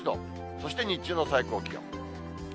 そして日中の最高気温。